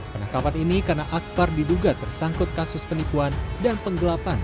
penangkapan ini karena akbar diduga tersangkut kasus penipuan dan penggelapan